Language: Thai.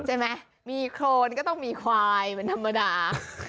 ใช่ไหมมีโครนก็ต้องมีควายเหมือนธรรมดา